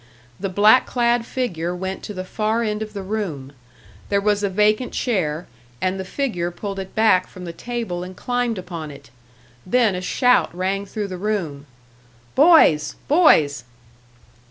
The black clad figure went to the far end of the room; there was a vacant chair, and the figure pulled it back from the table and climbed upon it. Then a shout rang through the room: "Boys! Boys!"